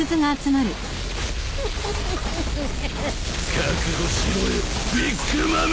覚悟しろよビッグ・マム！